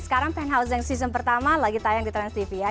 sekarang penthouse yang season pertama lagi tayang di trans tv ya